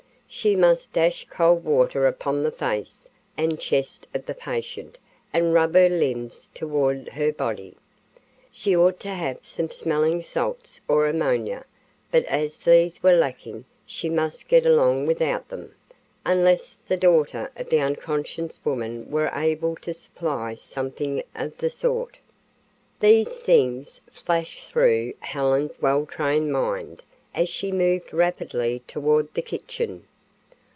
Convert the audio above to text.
She must dash cold water upon the face and chest of the patient and rub her limbs toward her body. She ought to have some smelling salts or ammonia, but as these were lacking she must get along without them, unless the daughter of the unconscious woman were able to supply something of the sort. These things flashed through Helen's well trained mind as she moved rapidly toward the kitchen.